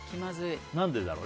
何でだろう？